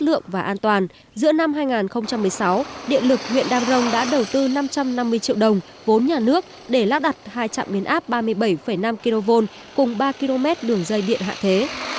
lượng và an toàn giữa năm hai nghìn một mươi sáu điện lực huyện đam rồng đã đầu tư năm trăm năm mươi triệu đồng vốn nhà nước để lắp đặt hai trạm biến áp ba mươi bảy năm kv cùng ba km đường dây điện hạ thế